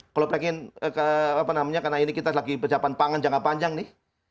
kalau pengen karena ini kita lagi pecapan pangan jangka panjang nih